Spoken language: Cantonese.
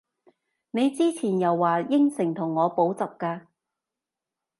你之前又話應承同我補習嘅？